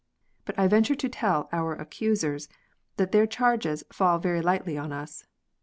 But I venture to tell our accusers that their charges fall very lightly on us.